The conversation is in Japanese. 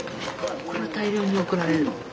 これを大量に送られる？